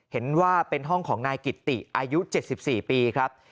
เห็นว่าเป็นห้องของนายกิตติอายุ๗๔ปีครับ